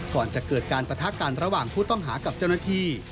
ก่อนจะเกิดการปะทะกันระหว่างผู้ต้องหากับเจ้าหน้าที่